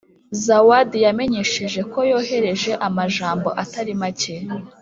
Zawadi yamenyesheje ko yohereje amajambo atari make